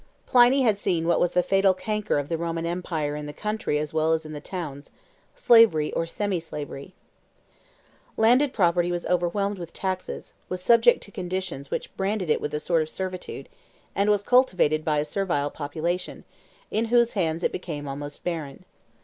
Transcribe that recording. Pliny had seen what was the fatal canker of the Roman empire in the country as well as in the towns: slavery or semi slavery. Landed property was overwhelmed with taxes, was subject to conditions which branded it with a sort of servitude, and was cultivated by a servile population, in whose hands it became almost barren.